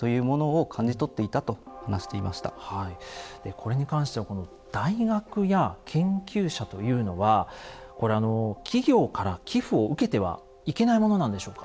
これに関してはこの大学や研究者というのは企業から寄付を受けてはいけないものなんでしょうか？